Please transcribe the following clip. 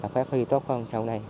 phát huy tốt hơn sau này